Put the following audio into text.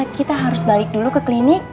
kita harus balik dulu ke klinik